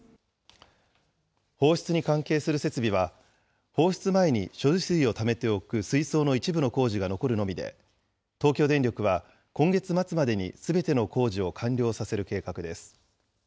放出に関係する設備は、放出前に処理水をためておく水槽の一部の工事が残るのみで、東京電力は今月末までにすべての工事を完了させる計画です。